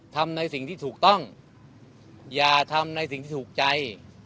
ทำในสิ่งที่ถูกต้องอย่าทำในสิ่งที่ถูกใจ